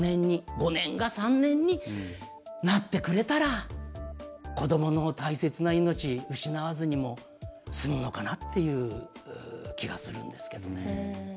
５年が３年になってくれたら子どもの大切な命失わずにも済むのかなという気がするんですけどね。